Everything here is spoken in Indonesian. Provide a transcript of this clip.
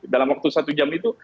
dalam waktu satu jam itu